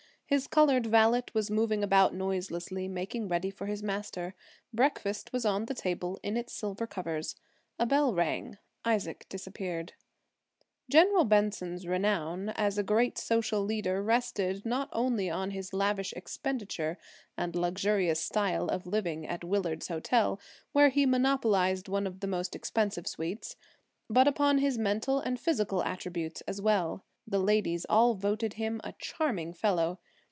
His colored valet was moving about noiselessly, making ready for his master. Breakfast was on the table in its silver covers. A bell rang; Isaac disappeared. General Benson's renown as a great social leader rested, not only on his lavish expenditure and luxurious style of living at Willard's Hotel, where he monopolized one of the most expensive suites, but upon his mental and physical attributes as well. The ladies all voted him a charming fellow.